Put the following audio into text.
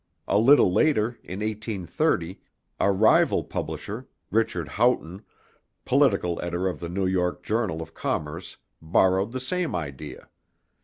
A little later, in 1830, a rival publisher, Richard Haughton, political editor of the New York Journal of Commerce borrowed the same idea.